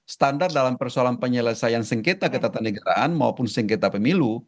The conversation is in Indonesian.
standar dalam persoalan penyelesaian sengketa ketatanegaraan maupun sengketa pemilu